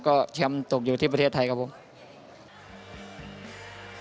karena saya berada di frieder petra dan saya ingin menang thi thailand